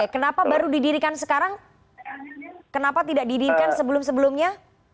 kenapa baru didirikan sekarang kenapa tidak didirikan sebelum sebelumnya